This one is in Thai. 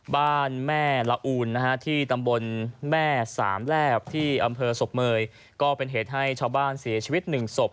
บ้านแม่ละอูนนะฮะที่ตำบลแม่สามแลบที่อำเภอศพเมยก็เป็นเหตุให้ชาวบ้านเสียชีวิตหนึ่งศพ